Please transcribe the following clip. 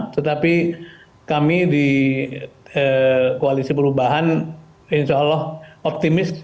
tetapi kami di koalisi perubahan insyaallah optimis